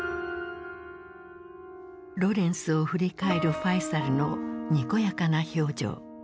ロレンスを振り返るファイサルのにこやかな表情。